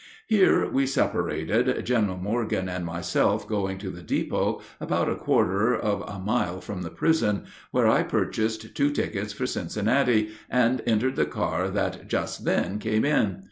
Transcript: Here we separated, General Morgan and myself going to the depot, about a quarter, of a mile from the prison, where I purchased two tickets for Cincinnati, and entered the car that just then came in.